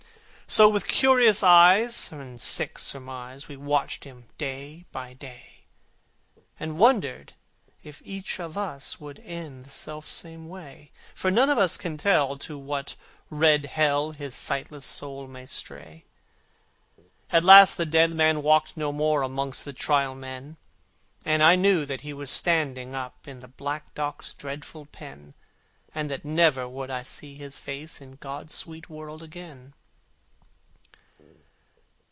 So with curious eyes and sick surmise We watched him day by day, And wondered if each one of us Would end the self same way, For none can tell to what red Hell His sightless soul may stray. At last the dead man walked no more Amongst the Trial Men, And I knew that he was standing up In the black dock's dreadful pen, And that never would I see his face For weal or woe again.